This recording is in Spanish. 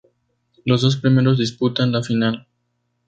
Los dos primeros disputan la final.